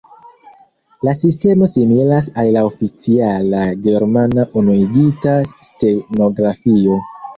La sistemo similas al la oficiala Germana Unuigita Stenografio.